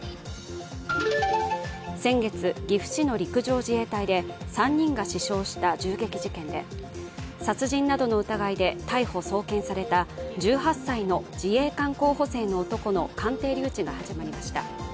先月、岐阜市の陸上自衛隊で３人が死傷した銃撃事件で殺人などの疑いで逮捕・送検された１８歳の自衛官候補生の男の鑑定留置が始まりました。